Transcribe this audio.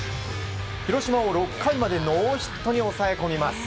広島を６回までノーヒットに抑え込みます。